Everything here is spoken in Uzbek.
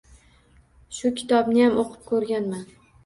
Shu kitobniyam oʻqib koʻrmagan.